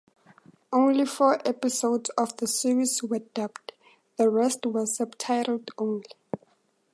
Only four episodes of the series were dubbed; the rest were subtitled only.